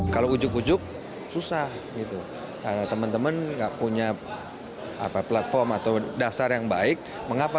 kalau ujug ujug susah gitu teman teman enggak punya apa platform atau dasar yang baik mengapa